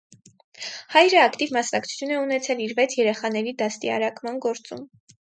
Հայրը ակտիվ մասնակցություն է ունեցել իր վեց երեխաների դաստիարակման գործում։